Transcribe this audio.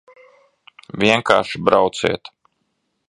Vienkārši brauciet!